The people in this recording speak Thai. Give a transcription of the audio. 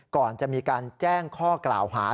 ก่อนจะมีการแจ้งข้อกล่าวหา